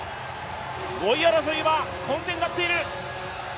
５位争いは混戦になっている。